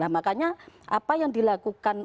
makanya apa yang dilakukan